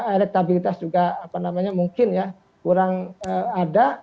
elektabilitas juga apa namanya mungkin ya kurang ada